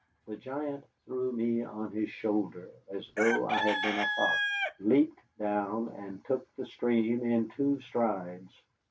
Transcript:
The giant threw me on his shoulder as though I had been a fox, leaped down, and took the stream in two strides.